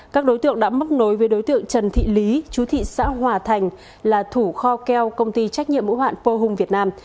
các đối tượng đã mắc nối với đối tượng trần thị lý chú thị xã hòa thành là thủ kho keo công ty trách nhiệm hữu hoạn pohung việt nam